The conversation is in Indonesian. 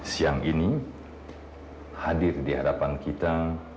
siang ini hadir di hadapan kita